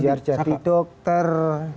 biar jadi dokter